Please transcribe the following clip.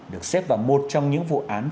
được xếp vào một trong những vụ án